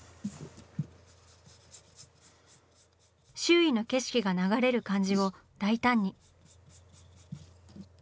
周囲の景色が流れる感じを大胆に。